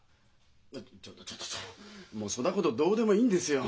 ちょっとちょっともうそだごどどうでもいいんですよ。